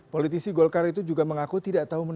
politisi golkar itu juga mengaku tidak ada yang mencari